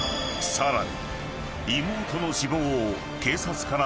［さらに］